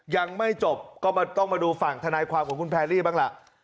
ยังไม่จบก็ต้องมาดูฝั่งทนายความของคุณแพรรี่บ้างล่ะ